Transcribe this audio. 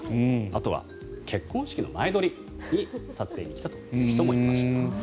あとは結婚式の前撮りに撮影に来たという人もいました。